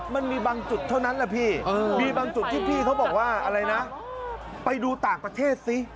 มันมีบางจุดเท่านั้นมาดูต่างประเทศซิ